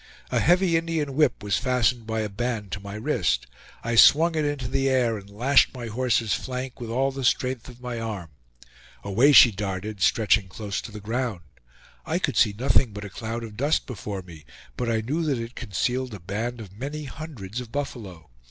A heavy Indian whip was fastened by a band to my wrist; I swung it into the air and lashed my horse's flank with all the strength of my arm. Away she darted, stretching close to the ground. I could see nothing but a cloud of dust before me, but I knew that it concealed a band of many hundreds of buffalo.